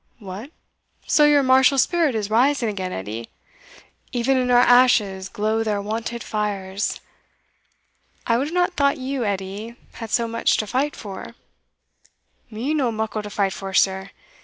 "What! so your martial spirit is rising again, Edie? Even in our ashes glow their wonted fires! I would not have thought you, Edie, had so much to fight for?" "Me no muckle to fight for, sir?